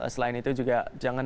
selain itu juga jangan